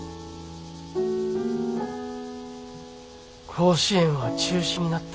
甲子園は中止になった。